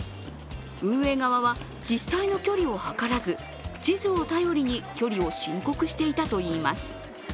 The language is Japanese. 運営側は実際の距離を測らず、地図を頼りに距離を申告していたといいます。